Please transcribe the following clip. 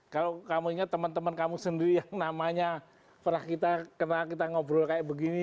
kalau kamu ingat temen temen kamu sendiri yang namanya pernah kita kena kita ngobrol kayak begini